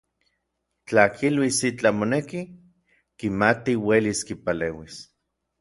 Tla kiluis itlaj moneki, kimati uelis kipaleuis.